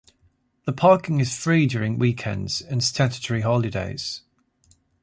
The parking is free during weekends and statutory holidays.